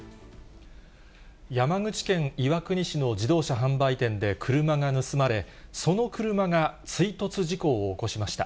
山口県岩国市の自動車販売店で車が盗まれ、その車が追突事故を起こしました。